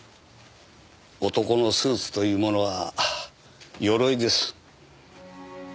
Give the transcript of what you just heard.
男のスーツというものは鎧です。